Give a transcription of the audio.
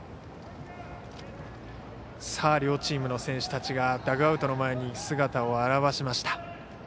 両チームの選手たちがダグアウトの前に姿を現しました。